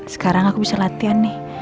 sekarang aku bisa latihan nih